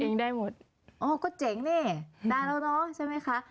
ทำเองได้หมดอ๋อก็เจ๋งเนี้ยได้แล้วเนอะใช่ไหมค่ะ